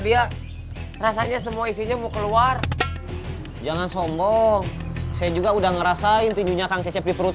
dia rasanya semua isinya mau keluar jangan sombong saya juga udah ngerasain tinjunya kang cecep di perut